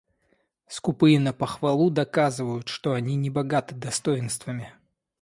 Скупые на похвалу доказывают, что они небогаты достоинствами.